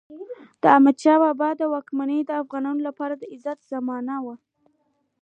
د احمدشاه بابا واکمني د افغانانو لپاره د عزت زمانه وه.